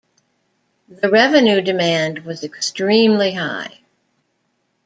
The revenue demand was extremely high.